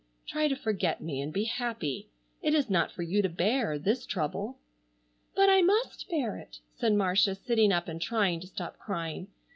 Try to forget me and be happy. It is not for you to bear, this trouble." "But I must bear it," said Marcia, sitting up and trying to stop crying.